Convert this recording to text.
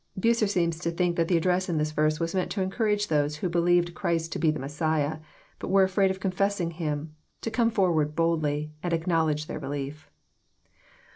Bncer seems to think that the address in this verse was meant to encourage those who believed Christ to be the Messiah, but were aA aid of confessing Him, to come forward boldly, and ac knowledge their belief.